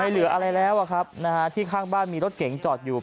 เหลืออะไรแล้วอะครับนะฮะที่ข้างบ้านมีรถเก๋งจอดอยู่